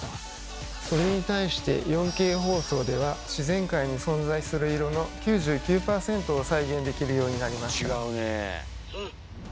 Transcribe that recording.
それに対して４Ｋ放送では自然界に存在する色の９９％を再現できるようになりました。